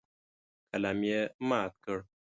قلم یې مات کړ.